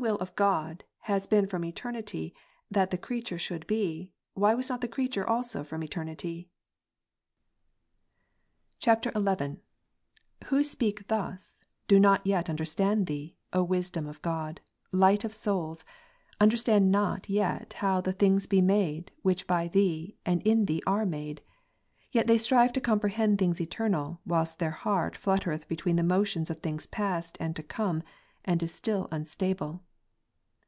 233 of God has been from eternity that the creature should be, why was not the creature also from eternity ?" [XL] 13. Who speak thus, do not yet understand Thee, O Wisdom of God, Light of souls, understand not yet how the. things be made, which by Thee, and in Thee are made : yet they strive to comprehend things eternal, whilst their heart fluttereth between the motions of things past and to come, and is still unstable.